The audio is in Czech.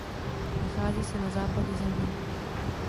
Nachází se na západě země.